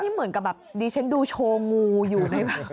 นี่เหมือนกับดิฉันดูโชว์งูอยู่